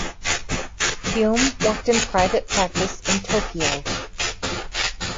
Kume worked in private practice in Tokyo.